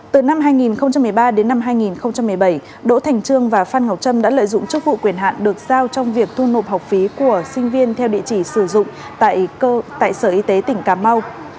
từ năm hai nghìn một mươi ba đến năm hai nghìn một mươi bảy đỗ thành trương và phan ngọc trâm đã lợi dụng chức vụ quyền hạn được giao trong việc thu nộp học phí của sinh viên theo địa chỉ sử dụng tại sở y tế tỉnh cà mau